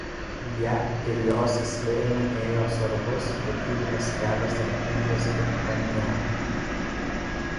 Ja ir jos slėniu ėjo svarbus prekybinis kelias tarp Indijos ir Pamyro.